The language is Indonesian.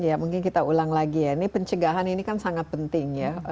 ya mungkin kita ulang lagi ya ini pencegahan ini kan sangat penting ya